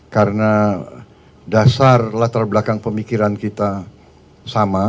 karena dasar latar belakang pemikiran kita sama